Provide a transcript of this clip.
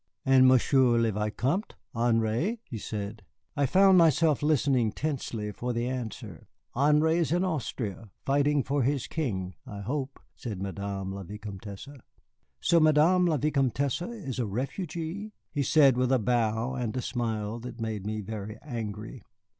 "And Monsieur le Vicomte Henri?" he said. I found myself listening tensely for the answer. "Henri is in Austria, fighting for his King, I hope," said Madame la Vicomtesse. "So Madame la Vicomtesse is a refugee," he said with a bow and a smile that made me very angry.